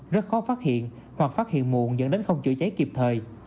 rất khó phát hiện hoặc phát hiện muộn dẫn đến không chữa cháy kịp thời